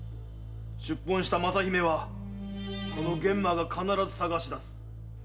出奔した雅姫はこの玄馬が必ず探し出す。